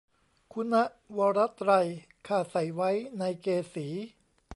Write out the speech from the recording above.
คุณะวระไตร ข้าใส่ไว้ในเกศี